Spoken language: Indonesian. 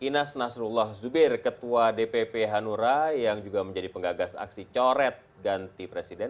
inas nasrullah zubir ketua dpp hanura yang juga menjadi penggagas aksi coret ganti presiden